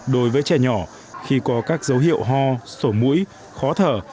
đối với trẻ nhỏ khi có các dấu hiệu ho sổ mũi khó thở